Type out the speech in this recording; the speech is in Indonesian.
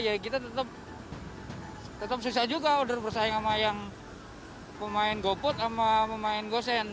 ya kita tetap susah juga order bersaing sama yang pemain goput sama pemain gosen